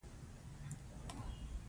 د مور لارښوونه په ژوند کې مهمه ده.